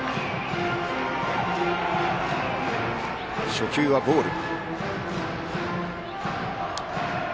初球はボール。